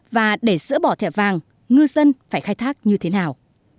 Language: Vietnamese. và để dỡ bỏ thẻ vàng ngư dân phải khai thác như thế nào